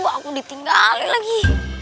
udah aku ditinggalin lagi